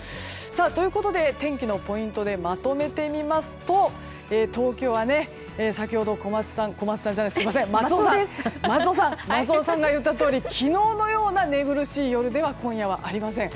ということで天気のポイントでまとめてみますと東京は先ほど松尾さんが言ったとおり昨日のような寝苦しい夜では今夜はありません。